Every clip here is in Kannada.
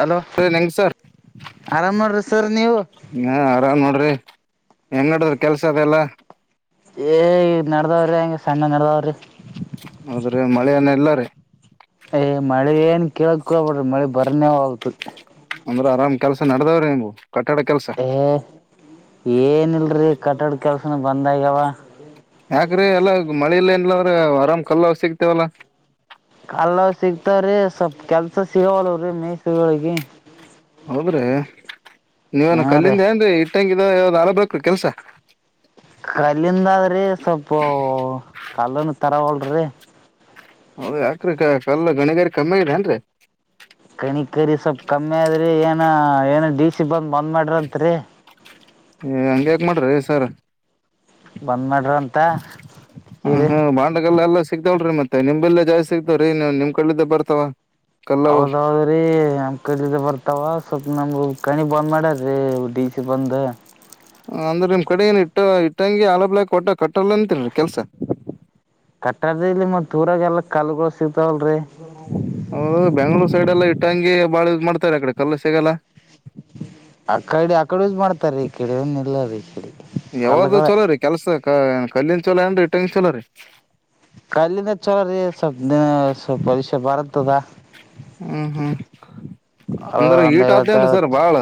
ಅಲೋ ನಂಗಸಾರ್ ಆರಾಮ್ ನೋಡ್ರಿ ಸರ್ ನೀವು ಹ ಆರಾಮ್ ನೋಡ್ರಿ ಹೆಂಗ್ ನಡದ್ರ ಕೆಲ್ಸ ಅದೆಲ್ಲ ಏ ಈ ನಡದಾವ್ರಿ ಹೆಂಗಗೆ ಸಣ್ಣ ನಡದಾವ್ರಿ ಹದ್ರೆ ಮಳೆಯನ ಎಲ್ಲ ರೀ ಏ್ ಮಳೆ ಏನ್ ಕೇಳಕ್ಕಡಬ ಬಿಡ್ರಿ ಮಳೆ ಬರ್ನೇ ಆೋಗ್ತದ ಅಂದ್ರೆ ಆರಾಮ್ ಕೆಲಸ ನಡದಾವ್ರೆ ನೀವು ಏ ಏನಲ್ರಿ ಕಟ್ಟಡ ಕೆಲ್ಸನ ಬಂದಗಾವ ಯಾಕ್ರೀ ಎಲ್ಲ ಮಳೆ ಇಲ್ಲ ಏನ್ಲಂದ್ರ ಆರಾಮ್ ಕಲ್ಲ ಸಿಗ್ತೇವಲ್ಲ ಕಲ್ಲ ಸಿಗ್ತಾವ್ರೀ ಸ್ವಲ್ಪ್ ಕೆಲ್ಸ ಸಿಗವಲ್ವ್ರೀ ಮೇಸಗಳಿಗೆ ಹೌದ್ರಿ ನೀವೇನ ಹಾ ರೀ ಕಲ್ಲಿಂದ ಅಂದೆ ಇ ಇಟ್ಟಂಗ ಯಾವ್ ನಾಲ್ ಬಕ್ರು ಕೆಲ್ಸ ಕಲ್ಲಿಂದ ಆದ್ರೀ ಸ್ವಲ್ಪ ಕಲ್ಲನ್ ತರಗೋಳಿ ಹೌದ ಯಾಕ್ರ ಕಲ್ಲ ಗಣಿಗಾರಿ ಕಮ್ಮಿ ಆಗಿದೆ ಏನ್ರಿ ಕಣಿಕರಿ ಸ್ವಲ್ಪ್ ಕಮ್ಮಿ ಆದ್ರಿ ಏನ ಏನ ಡಿ ಸಿ ಬಂದ್ ಬಂದ್ ಮಾಡ್ರಿಂತ್ರಿ ಏ ಹಂಗಗೆ್ಯಾಕ ಮಾಡ್ರಿ ಸರ್ ಬಂದ್ ಮಾಡ್ರಂತ ಹ ಕಿರಿ ಹ್ಮ ಬಾಂಡಗಲ್ಲ ಎಲ್ಲ ಸಿಕ್ತಾವಳ್ರೀ ಮತ್ತೆ ನಿಮಲ್ಲ ಜಾಸ್ತಿ ಸಿಕ್ತಾವ್ರೀ ನೀವು ನಿಮ್ ಕಡ್ಿದ್ದ ಬರ್ತಾವ ಕಲ್ಲವು ಹೌದೌದ್ರೀ ನಮ್ ಕಲಿದ್ದ ಬರ್ತಾವ ಸ್ವಲ್ಪ್ಪ ನಮ ಕಣಿ ಬಂದ್ ಮಾಡ್ಯಾರೀ ಡಿ ಸಿ ಬಂದ ಅಂದ್ರೆ ನಿಮ್ ಕಡೆಗಏನ ಇಟ್ಟ ಇಟ್ಟಂಗಗೆ ಆಲ ಬ್ಲಕ್ ಒಟ್ಟಟ ಕಟ್ಟಲ್ಲ ಅಂತನ್ರಿ ಕೆಲ್ಸ ಕಟ್ಟಡದ ಇಲ್ಲಿ ಮತ್ ದೂರಾಗ ಎಲ್ಲ ಕಲ್ಗೋ ಸಿಗ್ತಾವಲ್ರಿ ಂಗೆ ಬಾಳ ಮಾಡ್ತಾರೆ ಅ ಕಡೆ ಕಲ್ಲ ಸಿಗಲ್ಲ ಆ ಕಡೆ ಆ ಕಡೆ ಯೂಸ್ ಮಾಡ್ತಾರ ಈ ಕಡೆ ಇಲ್ಲ ರೀ ಈ ಕಡೆ ಯಾವ್ದ ಕಲ್ಗಳ ಚಲೋ ರೀ ಕೆಲ್ಸ ಕಲ್ಲಿನ್ ಚಲೋ ಏನ್ರಿ ಇಟ್ಟಂಗ ಚಲೋ ರೀ ಕಲ್ಲಿಿಂದ ಚಲೋ ರೀ ಸ್ವ ದಿನ ಸ್ವಲ್ ಪರಕ್ಷೆ ಬರತ್ತದ ಹ್ಮ ಹ್ಮ್ ಅಂದ್ರ ಒಂದ್ ಐವತ್ತ ಈಟ್ದೇನ್ರಿ ಸರ್ ಅರವತ್ ಬಾಳ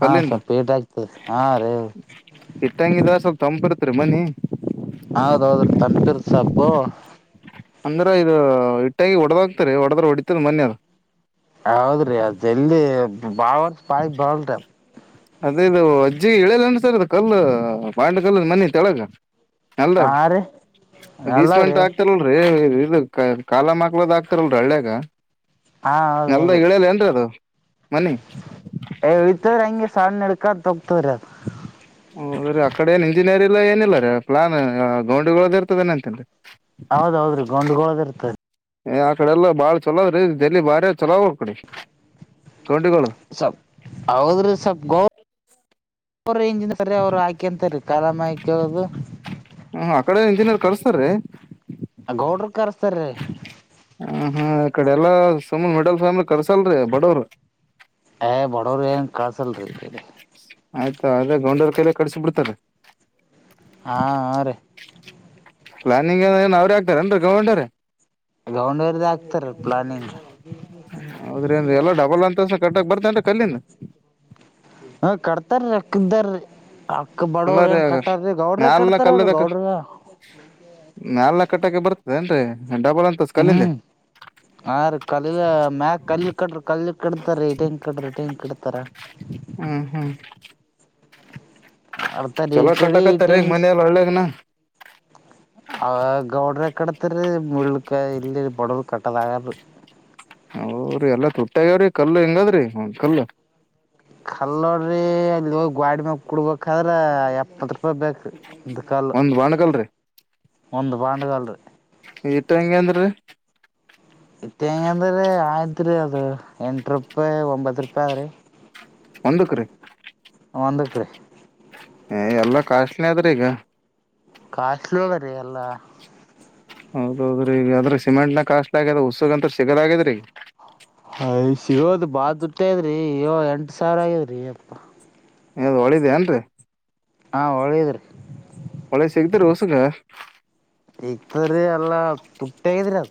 ಹಾ ಕಲ್ಲಿಂದು ಸ್ವಲ್ಪ ಏಟಾಗಗ್್ತದೆ ಹಾ ರೇವ ಇಟ್ಟಂಗಿದ ಸ್ವಲ್ಪ ತಂಪಿರ್ತ ಇರ್ತದೆರಿ ಮನಿ ಹೌದೌದ್ರಿ ತಂಪಿರ್ ಸೊಪ್ಪು ಅಂದ್ರ ಇದು ಹಟ್ಟಾಗಿ ಹೊಡದಾಗಕ್ತರಿ ಹೊಡದ್ರ ಹೊಡಿತದ ಮೊನ್ ಅದ ಹೌದ್ರಿ ಅದೆ ಎಲ್ಲಿ ಬಾವರ್ ಬಾಯಿ ಬಲ್ರಿ ಅದೇ ಇದು ಅಜ್ಜಿಗೆ ಇಳಿಯಲಿ ಅನ್ಸರ್ ಅದು ಕಲ್ಲು ಬಾಂಡ ಕಲ್ಲ ಮನಿ ತೆಳಗ ಅಲ್ಾಗ ಹಾ ರೀ ಬೀಸ್ ಮಿಂಟ್ ಅಲ್ಲಾಗ್ರಿ ಆಗ್ತಾರಲ್ರೀ ಇ ಕಾಲ ಮಕ್ಳದ ಆಾಕ್ತಾರಲ್ರಿ ಹಳ್ಳ್ಯಾಗ ಹಾ ಎಲ್ದ ಹೌದೌದು ಇಳಿಯಲಿ ಏನ್ರರಿ ಅದು ಮನೆಿ ಕ್ಕ ದೊತ ರತ್ ಹದ ರೀ ಅಕಡೆ ಏನ್ ಇಂಜಿನಿಯರ್ಲ್ಲ ಏನಿಲ್ಲ ರೀ ಪ್ಲಾನ್ ಗೌಂಡಿಗಳದ ಇರ್ತದಾನ ಅಂತನ್ರಿ ಹೌದೌದ್ರಿ ಗೊಂಡ್ಗೊಳದ ಇರ್ತದೆ ಏ ಆ ಕಡೆ ಎಲ್ಲ ಭಾಳ ಚಲೋದ್ರೀ ದಲ್ಲಿ ಬಾರಿ ಚಲೋಾವ್ ಕಡೆ ಗೌಂಡಿಗಳು ಸ ಹದ್ರ ಸ್ವಲ್ ಗೌ ಅವಂಜಿನ ಸರಿ ಅವ್ರು ಹಾಕಂತರಿೀ ಕಾಲಾಮ ಹ್ಮ ಆ ಕಡೆ ಇಂಜಿನರು ಕಳಸ್ತಾರ ಕರಸ್ಥರಿ ಹ ಹಾ ಈ ಕಡೆ ಎಲ್ಲಾ ಸುಮನೆ ಮಿಡಲ್ ಫ್ಯಾಮಿಲಿ ಕರ್ಸಲ್ರಿ ಬಡವ್ರ ಹ ಬಡವರು ಏನ್ ಕಳಸಲ್ ರಿ ಆಯ್ತಾ ಅದೇ ಗಂಡೂ ಕೈಲೆ ಕಡಸ ಬಿಡ್ತಾರೆ ಆ ಹಾರಿ ಪ್ಲಾನಿಂಗ್ ಏನ ಏನ ಅವ್ರರು ಆಗ್ತಾರನ್ ಅವ್ರೆ ಗೌರ್ಮೆಂಟ್ ರೂಟ್ ಅವರು ಗೋರ್ಮೆಂಟ್ ಅವರೇ ಆಗ್ತಾರ ಪ್ಲಾನಿಂಗ್ ಹೌದ್ರಂದ ಎಲ್ಲ ಡಬಲ್ ಅಂತಸ ಕಟ್ಟಕ್ ಬರ್ತನ್ ಕಲ್ಲಿಂದ ಹ ಕಟ್ತರಿ [unintelligible] ಅಕ್ಕ ಎಲ್ಲ ಬಡವರು ರೀ ಏನ್ ಕಟ್ಟಾರ ಗೌಡ್ರ ಕಟ್ತಾರ ಅವರು ಗೌಡ್ರಗ ಮೇಲ್ ಕಟ್ಟಕೆ ಬರ್ತದೇಏನ್ರರಿ ಹ್ಮ್ ಆ ರೀ ಕಲ್ ಮ್ಯ ಕಲ್ಲಿ ಕಟ್ರಿ ಕಲ್ಲಿ ಕಡತಾರೀ ಟೇಂಕ್ ಕಡ್ರಿ ಟ್ಯಾಂಕ್ ಇಡ್ತಾರ ಹ್ಮ್ ಹ್ಮ್ ಅಡ್ತ ರ ಚಲೋ ಕಡಿ ಕಟ್ಟಕತ್ತಾರ್ರಿ ಈಗ ಟಿಂಗ್ಸ್ ಮನೆ ಎಲ್ಲ ಹಳ್ಳ್ಯಾಗನ ಅವ ಗೌಡ್ರ ಕಡತರಿ ಮುಲುಕ ಇಲ್ಲಿ ಬಡವರು ಕಟ್ಟದಾಗ ಅವ್ರೀ ಎಲ್ಲಾ ತುಟ್ಟಗ್ಯಾವ್ರಿ ಕಲ್ಲು ಹೆಗದ್ರಿ ಕಲ್ಲು ಕಲ್ಲೋಡ್ರಿ ಅಲೋಗಿ ಗಾಡಿ ಮಾಗ ಕುಡ್ಬೇಕಾದ್ರ ಎಪ್ಪತ್ ರೂಪಾಯಿ ಬೇಕು ಅಂದು ಕಲ್ಲು ಒಂದ್ ಬಾಣಕಲ್ರಿ ಒಂದು ಬಾಂಡಗಲ್ಲ ರ ಈಟ ಹೆಂಗ ಅಂದ್ರೆ ಇತ್ತ ಹೆಂಗ ಅಂದ್ರೀ ಆಯ್ತ್ರಿ ಅದು ಎಂಟ ರೂಪಾಯಿ ಒಂಬತ್ ರೂಪಾಯಿ ಅದ್ರಿ ಒಂದಕ್ಕ ರೀ ಒಂದುಕ್ಕೆ ರೀ ಹ ಎಲ್ಲ ಕಾಸ್ಟ್ಲಿ ಆದ್ರೆ ಈಗ ಕಾಸ್ಟ್ಲಿ ಹೋಗ್ರೀ ಎಲ್ಲ ಹೌದೌದ್ರೀ ಅದ್ರೆ ಸಿಮೆಂಟ್ ನ ಕಾಸ್ಟ್ ಆಗ್ಯ ಉಸ್ಸುಗ ಅಂತ ಸಿಗದಾಗೇರೀ ಹಯ್ ಸಿಗೋದು ಬಾಳ ದುಡ್ಟ್ಟ ಇದ್ರಿ ಅಯೋ ಎಂಟ ಸಾವಿರ ಆಗದ್ರಿ ಅಪ್ಪ ಯ್ದ್ ಒಳಿದೆ ಏನ್ರರಿ ಹಾ ಒಳ್ಳದ್ರೀ ಒಳ್ಳೆ ಸಿಗ್ತ್ರ ಹೊಸುಗ ಈಗ್ತದ್ರೀ ಎಲ್ಲ ತುಟ್ಟಿಗಿದಿರ ಅದು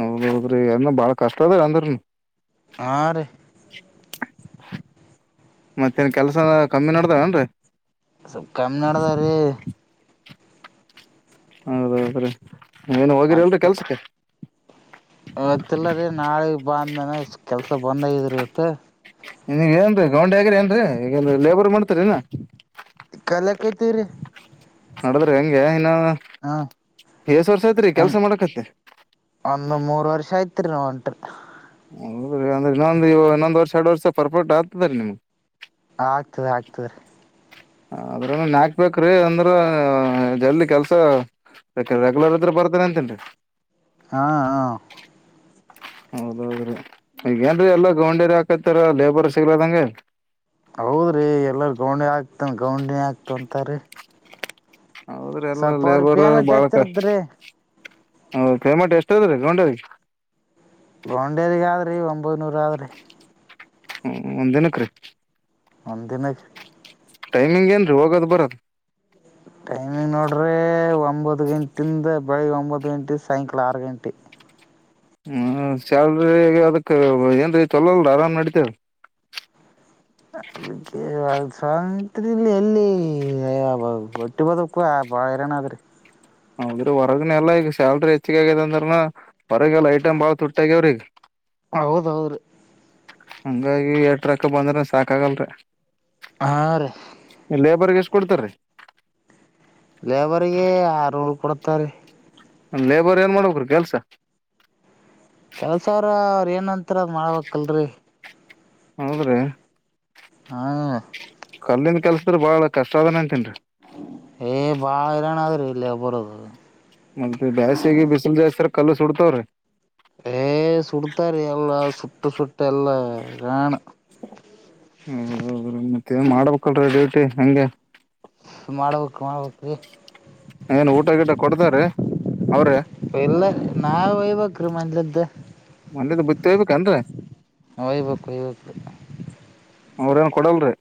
ಹೌದೌದ್ರಿ ಅದನ ಬಾಳ ಕಷ್ಟ ಅದ ಅಂದ್ರನು ಆರಿ ಮತ್ತೇನ್ ಕೆಲ್ಸ ಕಮ್ಮಿ ನೋಡದಾವನ್ರರಿ ಸುಪ್ ಕಮ್ಮಿ ನಡದ್ರೀ ಹೌದೌದ್ರೀ ನೀ ಏನು ಹೋಗಿರಿ ಅಲ್ರರಿ ಕೆಲ್ಸಕ್ಕೆ ಇತ್ತಿಲ್ಲ ರೀ ನಾಳೆ ಬಾಂದನ ಕೆಲ್ಸ ಬಂದಗಿದ್ರಿ ಇಟ್ಟ ನೀವ ಏನ್ರೀ ಗೌಂಡೆ ಹಗ್ರ ಏನ್ರೀ ಈಗ ಲೇಬರ್ ಮಾಡ್ತರಿಲ್ಲ ಕಲೆ ಕೈತಿರಿ ನಡದ್ರೆ ಹೆಂಗೆ ಇನ್ನು ಎಷ್ಟು ವರ್ಷ ಐತ್ರಿ ಕೆಲ್ಸ ಒಂದ್ ಮಾಡಕತ್ತ ತಿರುನಂಟು ಹೌದೀ ಅಂದ್ರ ಇನ್ನೊಂದು ವರ್ ಎರಡ್ ವರ್ಷ ಪರ್ಫೆಕ್ಟ್ ಆಗ್ತದ ರೀ ನಿಮ್ಗೆ ಆಗ್ತದೆ ಆಗ್ತದೆ ರೀ ಅದ್ರನ್ ಹಾಕ್ಬೇಕ್ರಿ ಅಂದ್ರ ಜಲ್ದಿ ಕೆಲ್ಸ ಬೇಕಾದ್ರೆ ರೆಗ್ಯುಲರ್ ಇದ್ರೆ ಬರ್ತಾನ ಅಂತೇನ್ರಿ ಹಾ ಹಾ ಹ ಹೌದೌದ್ರೀ ಈಗೇಏನ್ರೀ ಎಲ್ಲ ಗೌಂಡೇರಿ ಹಾಕತ್ತಾರ ಲೇಬರ್ ಸಿಗ್ಲದಗೆ ಹೌದ್ರಿ ಎಲ್ಲರ ಗೌಂಡಿ ಆಗ್ತನ್ ಗೌಂಡಿನಿ ಆಗ್ತಂತಾರೀ ಹೌದ್ರಿ ಎಲ್ಲ ಲೇಬರ್ ಪೇಮೆಂಟ್ ಬಾಳಕ ಹೆಚ್ಚಿರತ್ರಿ ಹ ಪೇಮೆಂಟ್ ಎಷ್ಟ ಅದ ರೀ ಗೌಡಿ ಬಾಂಡೇರಿಗ ಆದ್ರರಿ ಒಂಬೈನೂರು ಆದ್ರರಿ ಹ್ಮ ಒಂದ ದಿನಕ್ಕೆ ರೀ ಒಂದಿನ ಟೈಮಿಂಗ್ ಏನ್ರಿ ಹೋಗೋದು ಬರದು ಟೈಮಿಂಗ್ ನೋಡ್ರೆ ಒಂಬತ್ತು ಗಂಟೆಯಿಂದ ಬೆಳಿಗ್ಗೆ ಒಂಬತ್ತು ಗಂಟೆ ಸಾಯಂಕಾಲ ಆರು ಗಂಟೆ ಹ್ಮ ಶ್ಯಾಲ್ರಿ ಅದಕ್ ಏನ್ರೀ ಚೊಲಲ್ರ ಆರಾಮ್ ನಡಿತೇಲ್ ಅದಕ್ಕೆ ಸ್ವಾಮತ್ರಲಿ ಎಲ್ಲಿ ಹೊಟ್ಟಿ ಬದಕ್ಕೂ ವೈರನಾದ್ರ ಹೌದ್ರಿ ಹೊರಗನೆಲ್ಲ ಈಗ ಸ್ಯಾಲ್ರಿ ಹೆಚ್ಚಗ ಆಗದ ಅಂದ್ರನ ಹೊರಗೆ ಎಲ್ಲ ಐಟಮ್ ಬಾಳ ತುಟ್ಟ ಆಗ್ಯವ್ರೀಗ ಹೌದ ಹೌ ರ ಹಂಗಾಗಿ ಎರಟ್ರಕ್ಕ ಬಂದ್ರ ಸಾಕ ಆಗಲ್ರಿ ಆರ್ ಎಷ್ಟ್ ಕೊಡ್ತಾರೀ ತರ ಲೇಬರ್ ಏನ್ ಮಾಡ್ಬೇಕರು ಕೆಲ್ಸ ಕೆಲಸ ಅವ್ರ ಅವ್ರು ಏನಂತಾರೆ ಅದು ಮಾಡ್ಬೇಕಲ್ರರಿ ಆದ್ರೆ ಹಾ ಕಲ್ಲಿಂದ ಕೆಲ್ಸದ್ರ ಬಾಳ ಕಷ್ಟ ಆದದನ ಅಂತನ್ರಿ ಏ ಬಾಳ ಇರಾಣ ಅದ್ರಿ ಇಲ್ಲಿ ಬರೋದು ಮ ಬ್ಯಾಸಿಗೆ ಬಿಸಿಲು ಜಾಸ್ರ ಕಲ್ಲು ಸುಡ್ತವ್ರಿ ಏ ಸುಡ್ತಾರ ಎಲ್ಲ ಸುಟ್ಟ ಸುಟ್ಟ ಎಲ್ಲ ರಾಣ ಹೌದೌದ್ರೀ ಮತ್ತೆ ಏನ್ ಮಾಡ್ಬೇಕಲ್ರೀ ಡೇಟಿ ಹಂಗೆ ಮಾಡ್ಬೇಕು ಮಾಡ್ಬೇಕು ರೀ ಏನ್ ಊಟ ಗಿಟ ಕೊಡ್ತಾರ ಅವ್ರೆ ಎಲ್ಲ ನಾವ ಹಯ್ಬೇಕ ರೀ ಮಜ್ಲದ್ದ ಮನೇದ ಬುತ್ತಿ ಒಯಬೇಕ್ ಏನ್ರೀ ಒಯ್ಬೇಕ್ ಒಯ್ಬೇಕ್ರಿ ಅವ್ರ ಏನ್ ಕೊಡಲ್ರಿ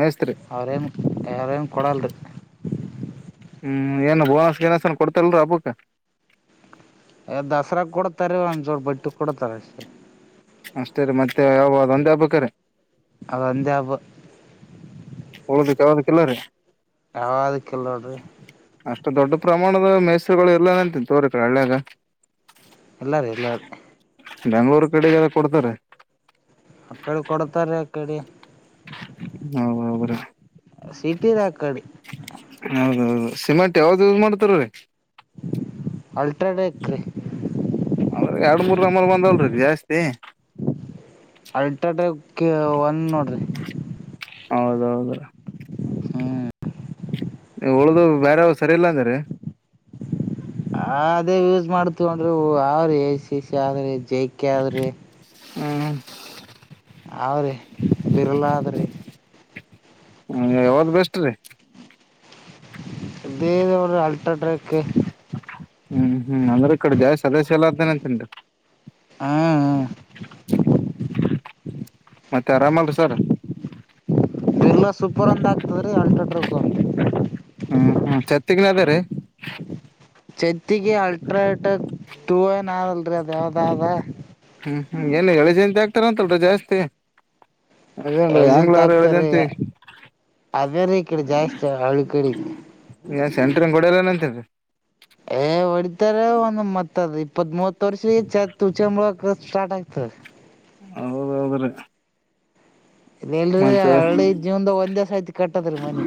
ಮೇಸ್ತ್ರಿ ಅವರೇನು ಅವರೇನು ಕೊಲ್ಲಳ್ರಿ ಹ್ಮ್ ಏನು ಬೋನಸ್ ಗನಸನ್ ಕೊಡ್ತಲ್ರ ಹಬ್ಬಕ್ಕ ಎ ದಸರಾ ಕಡ ತರ ಒಂದ ಜೋಡ್ ಬಟ್ಟು ಕಡತರಷ್ಟ ಅಷ್ಟೇ ರೀ ಮತ್ತೆ ಯಾವ ಅ ಒಂದೇ ಹಬ್ಬಾರೆ ಅದ ಒಂದೇ ಹಬ್ಬ ಉಳದಿದಕ ಯಾವದಕ್ಕೂ ಇಲ್ಲ ರಿ ಯಾವದಕ ಇಲ್ಲೋಡ್ರಿ ಅಷ್ಟು ದೊಡ್ಡ ಪ್ರಮಾಣದ ಮೈಸರುಗಳು ಇಲ್ಲ ಅಂತನತೋರಿಕ್ರ ಹಳ್ಳ್ಯಾಗ ಎಲ್ಲಾರು ಎಲ್ಲಾರು ಬೆಂಗ್ಳೂರು ಕಡೆಗೆಲ್ಲ ಕೊಡ್ತಾರೆ ಆ ಕಡೆ ಕೊಡ್ತಾರೆ ಕಡೆ ಹ ಹೌಬ್ರ ಸಿಟಿದ ಆ ಕಡೆ ಹೌದೌದು ಸಿಮೆಂಟ್ ಯಾವ್ದ ಯೂಸ್ ಮಾಡ್ತಾರ ರೀ ಅಲ್ಟ್ರಾಡೇಕ್ರ ಮರ್ ಬಂದಲ್ರಿ ಜಾಸ್ತಿ ಅಲ್ಟ್ರಾಟ್ರ್ಯಾಕ್ ಒನ್ ನೋಡ್ರಿ ಹೌದೌದು ಹ್ಮ ನೀವು ಉಳ್ದ ಬೇರಾವ್ರು ಸರಿ ಇಲ್ಲ ಅಂದ್ರ ಹ ಅದೇ ಯೂಸ್ ಮಾಡ್ ತಗೊಂಡ್ರಿ ಅವ್ರಿ ಎ ಸಿ ಸಿ ಆದ್ರಿ ಜೆ ಕೆ ಆದ್ರಿ ಹ್ಮ್ ಅವ್ರರಿ ಬಿರಲ ಅದ್ರರಿ ಹ್ಮ ಯಾವ್ದ್ ಬೆಸ್ಟ್ ರಿ ಇದೇ ಆಲ್ಟೋ ಟ್ರಕ್ ಹ್ಮ್ ಹ್ಮ್ ಅಂದ್ರೆ ಈ ಕಡೆ ದಾವ ಸದಸ್ಯ ಎಲ್ಲ ಅಂತೇನಂತನ್ಟು ಹ್ಞೂ ಹ್ಞೂ ಮತ್ತೆ ಅರಾಮಲ್ರು ಸರ್ ಬಿರ್ಲ ಸೂಪರ್ ಒಂದು ಆಗ್ತದೆ ರೀ ಅಲ್ಟ್ರಾ ಟ್ರಕ ಅಂತು ಹ್ಮ ಹ್ಮ ಚಛತ್ತಗನ ಅದ ರೀ ಚೆತಿಗೆ ಅಲ್ಟ್ರಾಟಕ್ ತೂ ಏನಲ್ರಿ ಅದ್ ಯಾವ್ದದ ಹ್ಮ ಅಂತಲ್ ಜಾಸ್ತಿ ಅದೇನು ಏಜೆಂಟ್ ಆಂಗ್ಲಾರ ಎಲ್ಲ ಆಗ್ತಾರೆ ಜಂತಿ ಅದೇ ರೀ ಈ ಕಡೆ ಜಾಸ್ತಿ ಹಳ್ಳಿ ಕಡೆ ನ್ ಸೆಂಟ್ರಂಗ ಗಡಲ್ಲ ಅಂತರಿ ಏ ಹೊಡಿತಾರೆ ಒಂದುಮತ್ತದ ಇಪ್ಪ ಮೂವತ್ತು ವರ್ಷ ಚ ತುಚ ಮೂ ಕ ಸ್ಟಾರ್ಟ್ ಆಗ್ತ ಹೌದೌದ ರ ಇಲ್ಲ ಎಲ್ರರಿ ಹಳ್ಳಿ ಜೀವನ್ದ ಒಂದ್ ದಿವಸ ಐತಿ ಕಟ್ಟದೀ ಮನಿ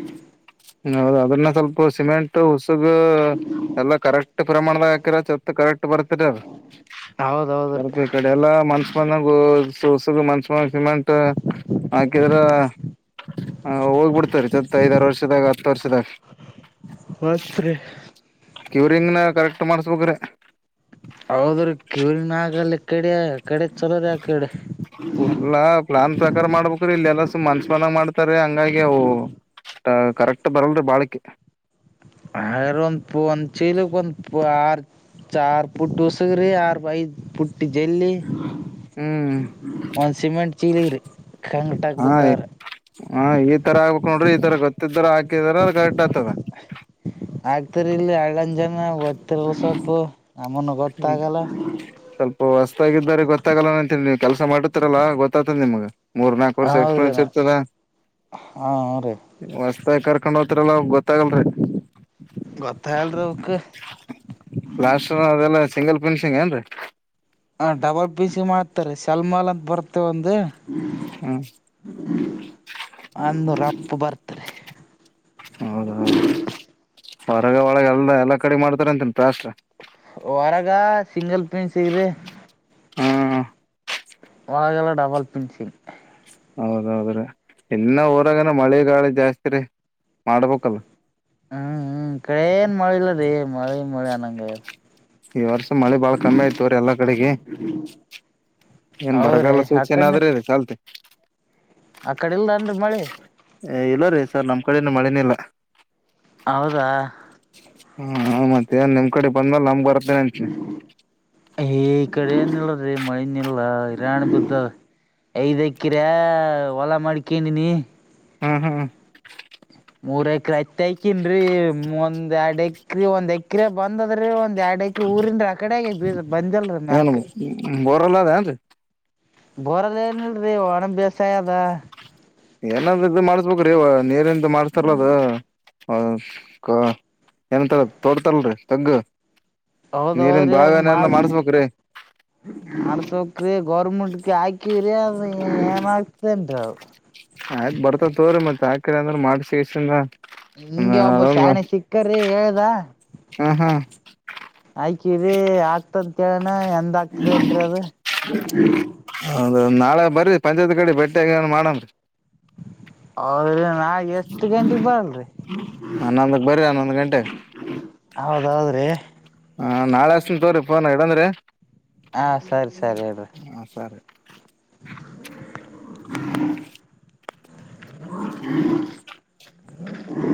ಹೌದು ಅದ್ರನ್ನ ಸ್ವಲ್ಪ ಸಿಮೆಂಟ್ ಹುಸುಗ ಎಲ್ಲ ಕರೆಕ್ಟ್ ಪ್ರಮಾಣದ ಹಾಕಿರ ಚತ್ ಕರೆಕ್ಟ್ ಬರ್ತರಿ ಹೌದೌದ್ರಿ. ಸ್ವಲ್ಪ ಈ ಕಡೆ ಎಲ್ಲಾ ಮನ್ಸ ಮಂದ ಸ ಸುಗು ಮಂಚು ಸಿಮೆಂಟ್ ಹಾಕಿದ್ರ ಹೋಗ್ಬಿಡ್ತಾರೀ ಸತ್ ಐದಾರು ವರ್ಷದಾಗ ಹತ್ತು ವರ್ಷದಾಗ ಮತ್ತ ರಿ ಯೂರಿಂಗ್ನ ಕರೆಕ್ಟ್ ಮಾಡಸ್ಬೇಕ್ರೆ ಹೌದ್ರ ಯೂರಿನ ಆಗಲ್ಲ ಕಡೆ ಕಡೆ ಚಲೋದ ಆ ಕಡೆ ಅಲ್ಲಾ ಪ್ಲಾನ್ ಪ್ರಕಾರ ಮಾಡ್ಬೇಕ್ರೀ ಇಲ್ಲೆಲ್ಲಸ ಮನ್ಸ ಮನಾಗ ಮಾಡ್ತಾರ ಹಂಗಾಗಿ ಅವು ಕರೆಕ್ಟ್ ಬರಲ್ರಿ ಬಾಳಿಕ ಆರನ್ ಪುನ್ ಚಲುಪಂದ ಪು ಚಾರ್ಫುಟ ಸಕರಿ ಬ ಟ್ಟ ಜಲ್ಲಿ ಹ್ಮ್ ಒಂದ ಸಿಮೆಂಟ್ ಚೀಲಿರಿ ಹಾ ಹ ಈ ತರ ಆಗ್ಬೇಕಕ್ ನೋಡ್ರಿ ಈ ತರ ಗೊತ್ತ ಹಾಕಿದಾರಮ್ಮ ಅ ಗರ್ಟ್ ಆತದೆ ಆಗ್ತರಿ ಇಲ್ಲಿ ಎಳ್ಳಂದ್ ಜನ ದ್ತಿರ್ ಸ್ವಲ್ಪ ನಮ್ಮನ್ ಹ್ಮ್ ಗೊತ್ತಾಗಲ್ಲ ಸ್ವಲ್ಪ ಹೊ ಗೊತ್ತಾಗಿದ್ದಾರೆ ಗೊತ್ತಾಗಲ್ಲ ಅಂತಿ ನೀವು ಕೆಲಸ ಮಾಡತರಲ್ಲ ಗೊತ್ತಾತದೆ ನಿಮಗ ಮೂರ್ ನಾಕು ವರ್ಷ ಹೌದ್ರಿ ಎಕ್ಸ್ಪೀರಿಯನ್ಸ್ ಇರ್ತದ ಹಾ ಹ್ರೀ. ಮ ಕರ್ಕೊಂಡ್ ಹೋತಲ್ಲ ಗೊತ್ತಾಗಲ್ರರಿ ಗೊತ್ತಾಯಲ್ರಕ್ ಲ್ಲ ಸಿಂಗಲ್ ಫಿನ್ಷಿಂಗ್ ಏನ್ ಹ ಡಬಲ್ ಪ ಸಿ ಮಾಡ್ತಾರೆ ಶೆಲ್ಮಲ್ ಅಂತ ಬರ್ತವೆ ಒಂದಂದು ಹ್ಮ್ ಅಂದು ರಪ್ಪು ಬರ್ತರಿ ಹೌದ ಹೌದು ಹೊರಗ ಒಳಗ ಎಲ್ಲ ಎಲ್ಲಾ ಕಡೆ ಮಾಡ್ತಾರ ಅಂತನ್ ಪ್ರಾಸ್್ರ ಹೊರಾಗ ಸಿಂಗಲ್ ಪನ್ ಸಿಗ್ರ ಹ್ಮ್ ಒಳಗಲ್ಲ ಡಬಲ್ ಪಿನ್ಚಿನ್ ಹೌದೌದ್ರೀ ಇಲ್ಲ ಊರಾಗನ ಮಳೆ ಗಾಳಿ ಜಾಸ್ತಿ ರ ಮಾಡ್ಬೇಕಲ್ ಹ್ಮ್ ಹ್ಮ್ ಕಡನು ಮಳೆ ಇಲ್ಲ ರೀ ಮಳೆ ಮಳೆಯನಂಗ ಈ ವರ್ಷ ಮಳೆ ಬಾಳ ಕಮ್ಮಿ ಆಯ್ತವ್ರೀ ಎಲ್ಲಾ ಕಡೆಗೆ ಏನ್ ಹೌದ್ರಿ ಬರಗಲ್ಲ ಸೂಚನೆ ಅಕಂಡ ಆದ್ರೆ ಚಾಲ್ತೆ ಆ ಕಡೆ ಇಲ್ದನ್ರಿ ಮಳಿ ಇಲ್ಲೋ ರೀ ಸರ್ ನಮ್ ಕಡೆನು ಮಳೆನೇ ಇಲ್ಲ ಹೌದಾ ಹ ಹ ಮತ್ತೆ ನ್ ನಿಮ್ ಕಡೆ ಬಂದ್ಮೇಲ್ ನಮ್ಗ್ ಬರ್ತೇನೆ ಅಂತನಿ ಈ ಕಡೆಏನ್ ಇಲ್ಲ್ ಮಳೆನ್ಲ್ ಹರಾಣ ಬದ ಐದೈ ಹಾಕ್ಕಿರ ಹೊಲಾ ಮಾಡ ಕಂಡಿನಿ ಹ್ಮ್ ಹ್ಮ್ ್ರತ್ಕನ್ೀ ಒಂದ್ ಎರಡ್ ಎಕ್ರ ಒಂದ್ ಎಕ್ರ ಬಂದ ಅದ್ರ ಒಂದ ಎರಡ್ ಎಕ್ರ ಊರಿನ್ ಕಡೆಗ ಏನ್ ಬೋರಲ್ಲ ಅ ಅತ್ ಬೋರಲ್ಲಿ ಏನ ಇಲ್ರರಿ ಒಣ ಬೇಸಾಯ ಅದ ಏನಾದ್ರ ಇದ ಮಾಡ್ಸ್ಬೇಕ್ರೀ ನೀರಿಂತ ಮಾಡ್ಸ್ತಾರಲದ ಹೌ ಏನಂತಾರ ತೋಡ್ತಲ್ರಿ ತಗ್ಗ ಹೌದ ಹೌದು್ರೀ ಮಾಲ್ ಮರ್ಸೌಕ್ರ ಗೌರ್ಮೆಂಟ್ಗೆ ಹಾಕಿವ್ರ ಅ ಏನ್ ಆಗ್ತನ್ರಿ ಅ ಆಯ್ತ್ ಬರ್ತ ತೋ್ರರಿ ಮತ್ ಆಾಕ್ರರಿ ಅಂದ್ರ ಮಾಡಸಿ ಇಷ್ಟಂದ ಹಿಂಗೆ ಒಬ್ಬ ಹ್ಮ ಶಾಣೆ ಸಿಕ್ಕರಿ ಹಾ ಆಯಕರಿ ಆಗ್ತಂತ ಕೇಳೋಣ ಎಂದ ಆಗ್ತದಲ್ರಿ ಅದು ಹೌದ ನಾಳೆ ಬರರಿ ಪಂಚಾಯತ್ ಕಡೆ ಬಟ್ಟಿಯಗ ಏನ್ ಮಾಡನ್್ರರಿ ಹೌದ್ರಿ ನಾ ಎಷ್ಟ ಗಂಟಗ್ ಬರಲ್ರಿ ಹನ್ನೊಂದಕ್ ಬರ್ರಿ ಹನ್ನೊಂದ್ ಗಂಟೆಗೆ ಹೌದಾದ್ರೆ ಹ ನಾಳೆ ಅಷ್ಟನ್ ತೋ್ರರಿ ೋನ್ ಇಡಂದ್ರೀ ಹಾ ಸರಿ ಸರಿ ಹೇಳ್ರಿ ಟಕ್ ಹ್ಮ